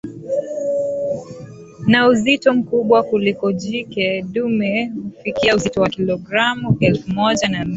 na uzito mkubwa kuliko jike Dume hufikia uzito wa kilogramu elfu moja na Mia